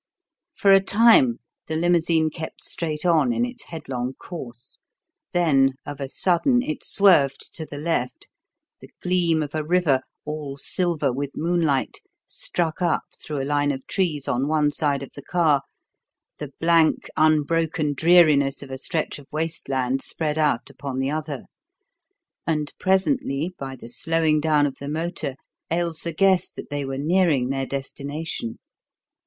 For a time the limousine kept straight on in its headlong course, then, of a sudden, it swerved to the left, the gleam of a river all silver with moonlight struck up through a line of trees on one side of the car, the blank unbroken dreariness of a stretch of waste land spread out upon the other; and presently, by the slowing down of the motor, Ailsa guessed that they were nearing their destination.